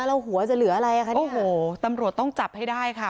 แล้วหัวจะเหลืออะไรอ่ะคะโอ้โหตำรวจต้องจับให้ได้ค่ะ